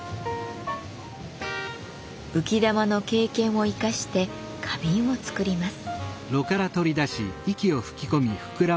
浮き玉の経験を生かして花瓶を作ります。